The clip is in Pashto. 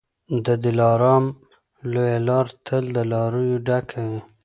د دلارام لویه لاره تل له لاریو ډکه وي.